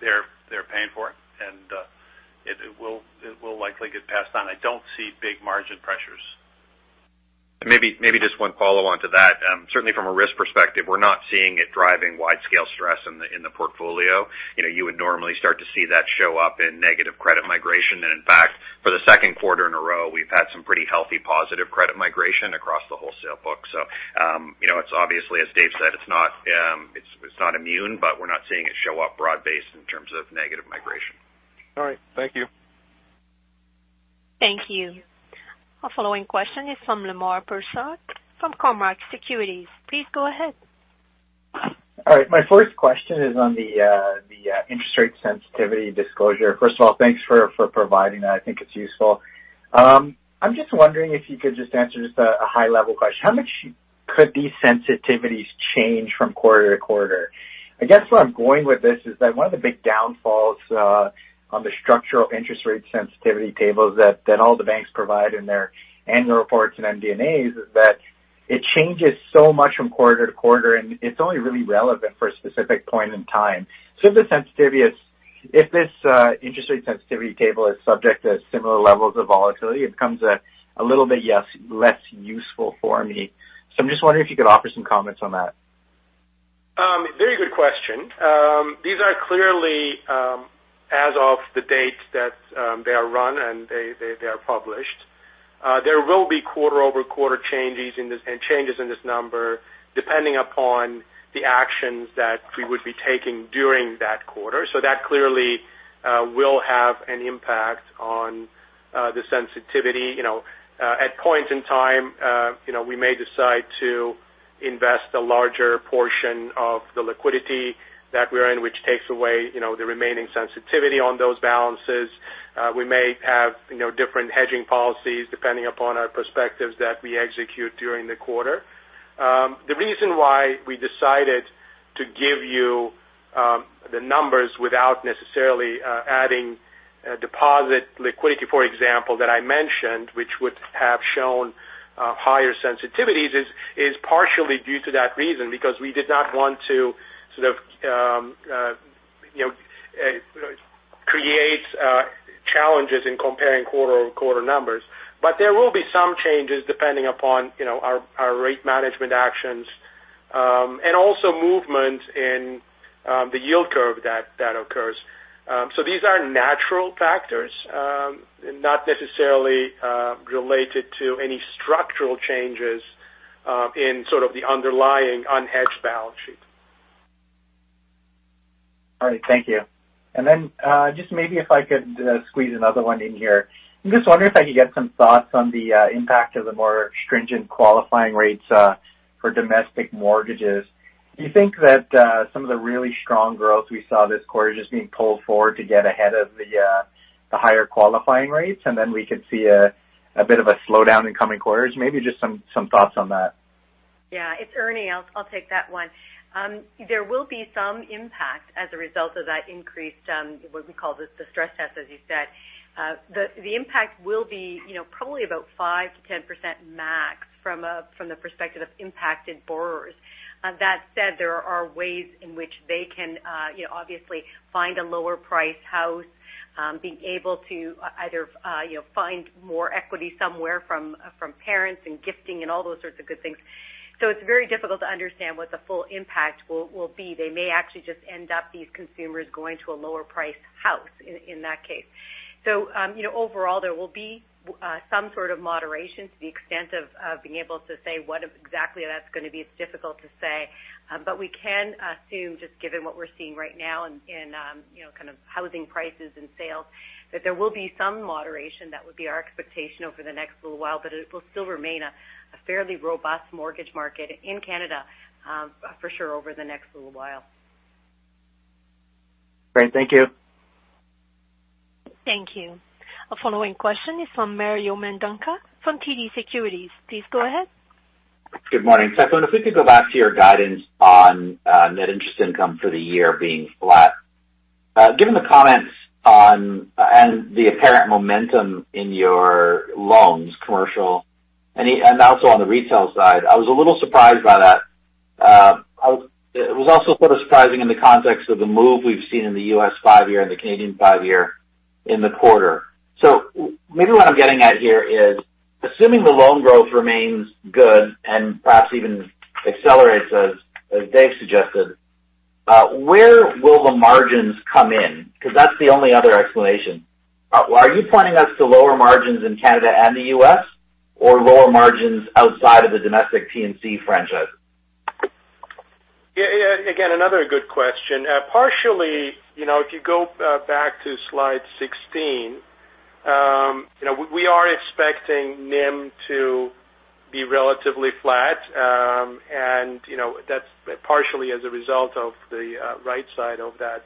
They're paying for it, and it will likely get passed on. I don't see big margin pressures. Maybe just one follow-on to that. Certainly from a risk perspective, we're not seeing it driving widescale stress in the, in the portfolio. You know, you would normally start to see that show up in negative credit migration. In fact, for the Q2 in a row, we've had some pretty healthy positive credit migration across the wholesale book. You know, it's obviously, as Dave said, it's not, it's not immune, but we're not seeing it show up broad-based in terms of negative migration. All right. Thank you. Thank you. Our following question is from Lemar Persaud, from Cormark Securities. Please go ahead. All right. My first question is on the interest rate sensitivity disclosure. First of all, thanks for providing that. I think it's useful. I'm just wondering if you could just answer a high level question. How much could these sensitivities change from quarter to quarter? I guess where I'm going with this is that one of the big downfalls on the structural interest rate sensitivity tables that all the banks provide in their annual reports and MD&As is that it changes so much from quarter to quarter, and it's only really relevant for a specific point in time. If the sensitivity is, if this interest rate sensitivity table is subject to similar levels of volatility, it becomes a little bit yes, less useful for me. I'm just wondering if you could offer some comments on that. Very good question. These are clearly as of the date that they are run. They are published. There will be quarter-over-quarter changes in this number, depending upon the actions that we would be taking during that quarter. That clearly will have an impact on the sensitivity. You know, at point in time, you know, we may decide to invest a larger portion of the liquidity that we're in, which takes away, you know, the remaining sensitivity on those balances. We may have, you know, different hedging policies depending upon our perspectives that we execute during the quarter. The reason why we decided to give you the numbers without necessarily adding deposit liquidity, for example, that I mentioned, which would have shown higher sensitivities, is partially due to that reason, because we did not want to sort of, you know, create challenges in comparing quarter-over-quarter numbers. There will be some changes depending upon, you know, our rate management actions, and also movement in the yield curve that occurs. These are natural factors, not necessarily related to any structural changes in sort of the underlying unhedged balance sheet. All right. Thank you. Just maybe if I could squeeze another one in here. I'm just wondering if I could get some thoughts on the impact of the more stringent qualifying rates for domestic mortgages. Do you think that some of the really strong growth we saw this quarter just being pulled forward to get ahead of the higher qualifying rates, and then we could see a bit of a slowdown in coming quarters? Maybe just some thoughts on that. Yeah, it's Erminia. I'll take that one. There will be some impact as a result of that increased, what we call the stress test, as you said. The impact will be probably about 5%–10% max from the perspective of impacted borrowers. That said, there are ways in which they can obviously find a lower priced house, being able to either find more equity somewhere from parents and gifting and all those sorts of good things. It's very difficult to understand what the full impact will be. They may actually just end up these consumers going to a lower priced house in that case. You know, overall there will be some sort of moderation to the extent of being able to say what exactly that's going to be, it's difficult to say. We can assume, just given what we're seeing right now in, you know, kind of housing prices and sales, that there will be some moderation. That would be our expectation over the next little while, but it will still remain a fairly robust mortgage market in Canada, for sure, over the next little while. Great. Thank you. Thank you. Our following question is from Mario Mendonca from TD Securities. Please go ahead. Good morning. If we could go back to your guidance on net interest income for the year being flat. Given the comments on, and the apparent momentum in your loans, commercial and also on the retail side, I was a little surprised by that. It was also sort of surprising in the context of the move we've seen in the U.S. five year and the Canadian five year in the quarter. Maybe what I'm getting at here is, assuming the loan growth remains good and perhaps even accelerates, as Dave suggested, where will the margins come in? Because that's the only other explanation. Are you pointing us to lower margins in Canada and the U.S., or lower margins outside of the domestic P&C franchise? Yeah, again, another good question. Partially, you know, if you go back to slide 16, you know, we are expecting NIM be relatively flat. You know, that's partially as a result of the right side of that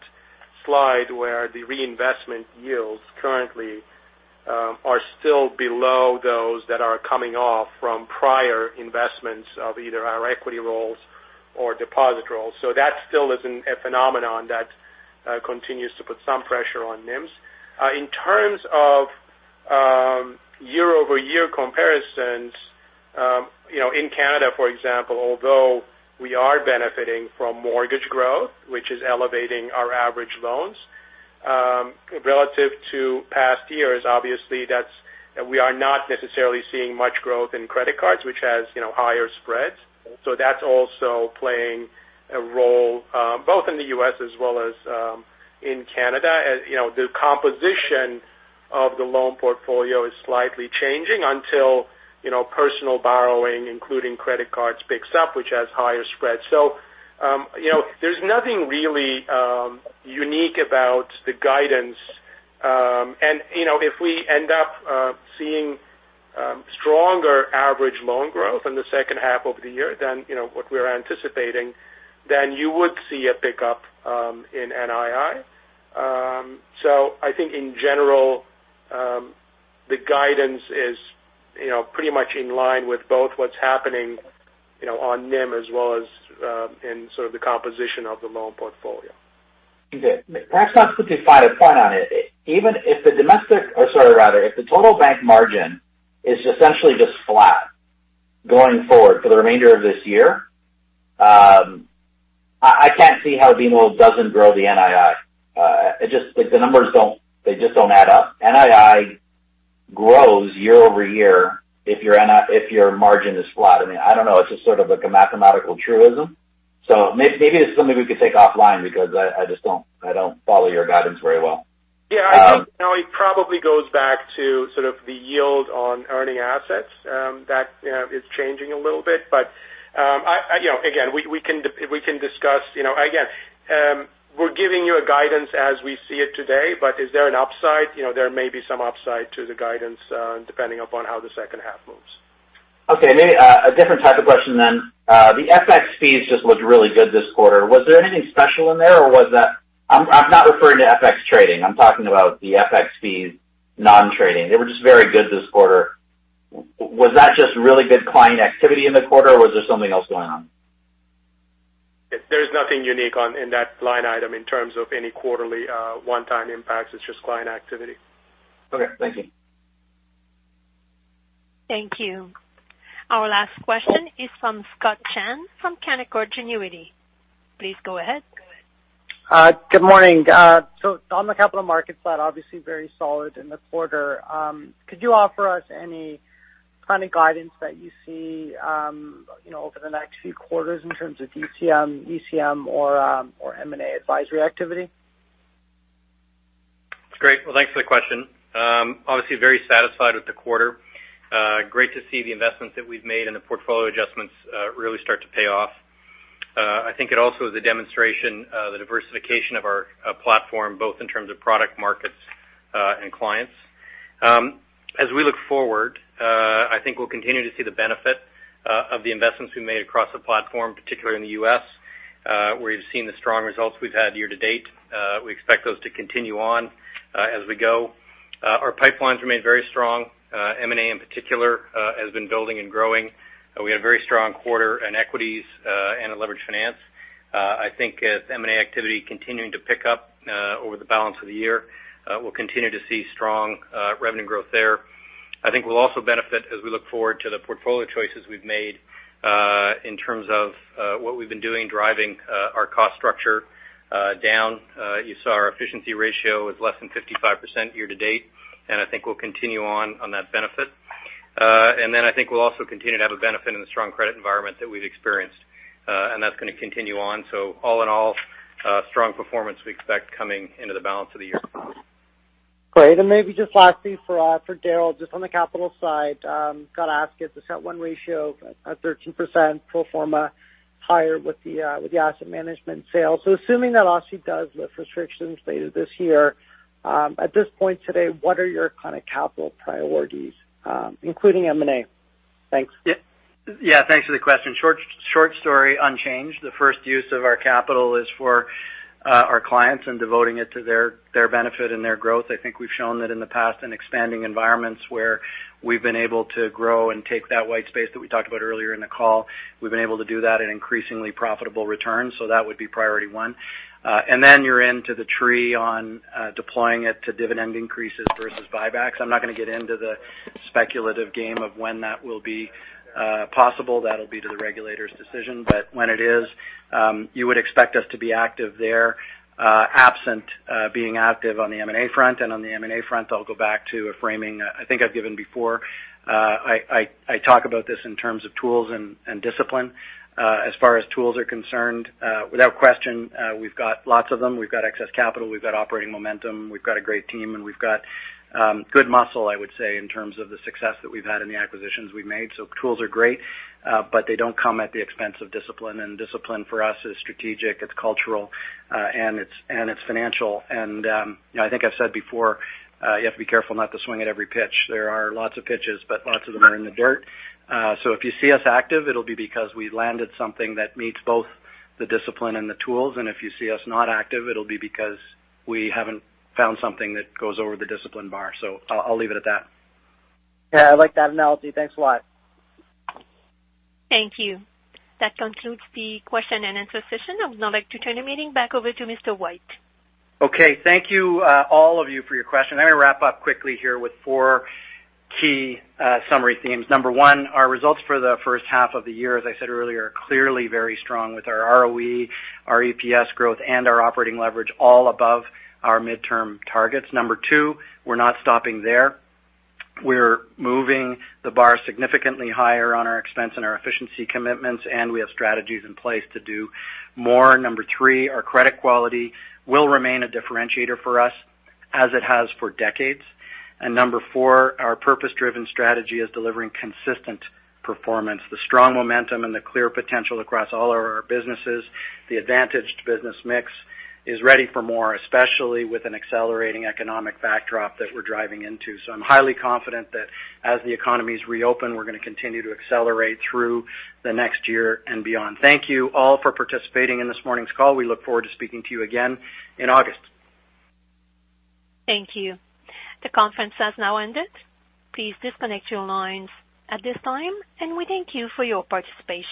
slide, where the reinvestment yields currently are still below those that are coming off from prior investments of either our equity roles or deposit roles. That still is an, a phenomenon that continues to put some pressure on NIMs. In terms of year-over-year comparisons, you know, in Canada, for example, although we are benefiting from mortgage growth, which is elevating our average loans, relative to past years, obviously, we are not necessarily seeing much growth in credit cards, which has, you know, higher spreads. That's also playing a role, both in the U.S. as well as in Canada. As, you know, the composition of the loan portfolio is slightly changing until, you know, personal borrowing, including credit cards, picks up, which has higher spreads. You know, there's nothing really unique about the guidance. You know, if we end up seeing stronger average loan growth in the second half of the year than, you know, what we're anticipating, then you would see a pickup in NII. I think in general, the guidance is, you know, pretty much in line with both what's happening, you know, on NIM as well as in sort of the composition of the loan portfolio. Okay. Can I just put the final point on it? Or sorry, rather, if the total bank margin is essentially just flat going forward for the remainder of this year, I can't see how BMO doesn't grow the NII. It just, like, the numbers don't add up. NII grows year-over-year if your margin is flat. I mean, I don't know, it's just sort of like a mathematical truism. Maybe it's something we could take offline because I just don't, I don't follow your guidance very well. Yeah, I think, you know, it probably goes back to sort of the yield on earning assets, that, you know, is changing a little bit. I, you know, again, we can discuss. You know, again, we're giving you a guidance as we see it today, but is there an upside? You know, there may be some upside to the guidance, depending upon how the second half moves. Okay, maybe a different type of question then. The FX fees just looked really good this quarter. Was there anything special in there, or was that. I'm not referring to FX trading. I'm talking about the FX fees, non-trading. They were just very good this quarter. Was that just really good client activity in the quarter, or was there something else going on? There's nothing unique on, in that line item in terms of any quarterly, one-time impacts. It's just client activity. Okay, thank you. Thank you. Our last question is from Scott Chan from Canaccord Genuity. Please go ahead. Good morning. On the capital markets side, obviously very solid in the quarter, could you offer us any kind of guidance that you see, you know, over the next few quarters in terms of ECM or M&A advisory activity? It's great. Well, thanks for the question. Obviously very satisfied with the quarter. Great to see the investments that we've made and the portfolio adjustments really start to pay off. I think it also is a demonstration of the diversification of our platform, both in terms of product markets and clients. As we look forward, I think we'll continue to see the benefit of the investments we made across the platform, particularly in the U.S., where you've seen the strong results we've had year to date. We expect those to continue on as we go. Our pipelines remain very strong. M&A, in particular, has been building and growing. We had a very strong quarter in equities and in leveraged finance. I think as M&A activity continuing to pick up over the balance of the year, we'll continue to see strong revenue growth there. I think we'll also benefit as we look forward to the portfolio choices we've made in terms of what we've been doing, driving our cost structure down. You saw our efficiency ratio is less than 55% year to date, and I think we'll continue on that benefit. I think we'll also continue to have a benefit in the strong credit environment that we've experienced, and that's going to continue on. All in all, strong performance we expect coming into the balance of the year. Great. Maybe just lastly for Darryl, just on the capital side, got to ask you, the CET1 ratio of 13% pro forma higher with the asset management sales. Assuming that OSFI does lift restrictions later this year, at this point today, what are your kind of capital priorities, including M&A? Thanks. Yeah, thanks for the question. Short story, unchanged. The first use of our capital is for our clients and devoting it to their benefit and their growth. I think we've shown that in the past, in expanding environments where we've been able to grow and take that white space that we talked about earlier in the call, we've been able to do that in increasingly profitable returns. That would be priority one. You're into the tree on deploying it to dividend increases versus buybacks. I'm not going to get into the speculative game of when that will be possible. That'll be to the regulator's decision. When it is, you would expect us to be active there, absent being active on the M&A front. On the M&A front, I'll go back to a framing, I think I've given before. I talk about this in terms of tools and discipline. As far as tools are concerned, without question, we've got lots of them. We've got excess capital, we've got operating momentum, we've got a great team, and we've got good muscle, I would say, in terms of the success that we've had in the acquisitions we've made. Tools are great, but they don't come at the expense of discipline, and discipline for us is strategic, it's cultural, and it's financial. You know, I think I've said before, you have to be careful not to swing at every pitch. There are lots of pitches, but lots of them are in the dirt. If you see us active, it'll be because we landed something that meets both the discipline and the tools. If you see us not active, it'll be because we haven't found something that goes over the discipline bar. I'll leave it at that. Yeah, I like that analogy. Thanks a lot. Thank you. That concludes the question and answer session. I would now like to turn the meeting back over to Mr. White. Okay. Thank you, all of you, for your question. Let me wrap up quickly here with four key, summary themes. Number one, our results for the first half of the year, as I said earlier, are clearly very strong with our ROE, our EPS growth, and our operating leverage all above our midterm targets. Number two, we're not stopping there. We're moving the bar significantly higher on our expense and our efficiency commitments, and we have strategies in place to do more. Number three, our credit quality will remain a differentiator for us, as it has for decades. Number four, our purpose-driven strategy is delivering consistent performance. The strong momentum and the clear potential across all of our businesses, the advantaged business mix, is ready for more, especially with an accelerating economic backdrop that we're driving into. I'm highly confident that as the economies reopen, we're going to continue to accelerate through the next year and beyond. Thank you all for participating in this morning's call. We look forward to speaking to you again in August. Thank you. The conference has now ended. Please disconnect your lines at this time. We thank you for your participation.